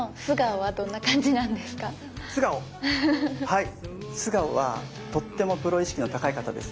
はい素顔はとってもプロ意識の高い方ですね。